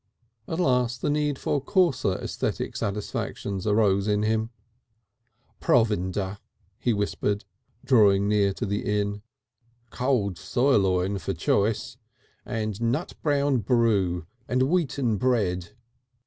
At last the need for coarser aesthetic satisfactions arose in him. "Provinder," he whispered, drawing near to the Inn. "Cold sirloin for choice. And nut brown brew and wheaten bread."